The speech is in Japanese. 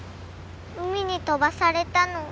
海に飛ばされたの。